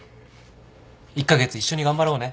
１カ月一緒に頑張ろうね。